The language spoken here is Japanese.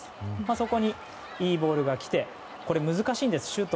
そこにいいボールが来てこれ難しいんです、シュート。